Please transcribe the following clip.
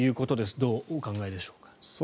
どうお考えでしょうか。